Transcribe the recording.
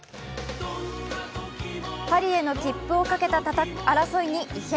パリへの切符をかけた争いに異変？